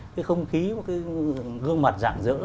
cái không khí cái gương mặt dạng dỡ